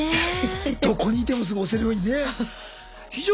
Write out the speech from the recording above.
どこにいてもすぐ押せるようにね。